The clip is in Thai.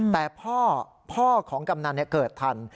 แต่พ่อพ่อของกำนันเกิดทัน